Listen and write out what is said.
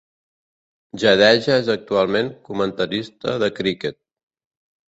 Jadeja és actualment comentarista de criquet.